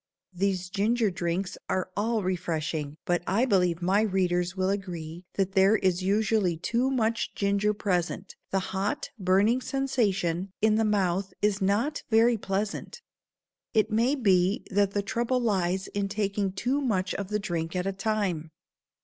These ginger drinks are all refreshing, but I believe my readers will agree that there is usually too much ginger present; the hot, burning sensation in the mouth is not very pleasant. It may be that the trouble lies in taking too much of the drink at a time.